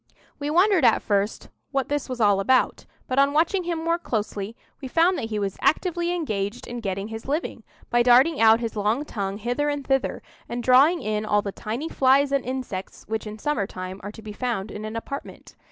We wondered at first what this was all about; but on watching him more closely, we found that he was actively engaged in getting his living, by darting out his long tongue hither and thither, and drawing in all the tiny flies and insects which in summer time are to be found in an apartment.